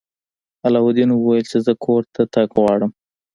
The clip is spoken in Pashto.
علاوالدین وویل چې زه کور ته تګ غواړم.